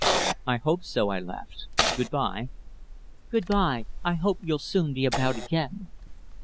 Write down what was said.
"I hope so," I laughed. "Good bye." "Good bye; I hope you'll soon be about again."